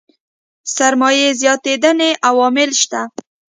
سرمايې زياتېدنې عوامل شته.